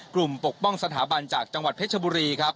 ปกป้องสถาบันจากจังหวัดเพชรบุรีครับ